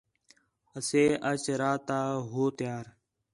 اسے اج راتا ہوتیاں